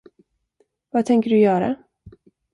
Vad tänker du göra?